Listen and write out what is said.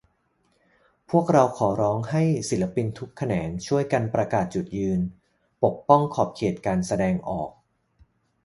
พวกเราขอร้องให้ศิลปินทุกแขนง ช่วยกันประกาศจุดยืน ปกป้องขอบเขตการแสดงออก